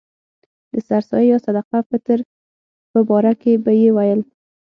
د سر سایې یا صدقه فطر په باره کې به یې ویل.